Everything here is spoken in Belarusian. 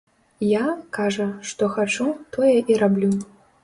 Я, кажа, што хачу, тое і раблю.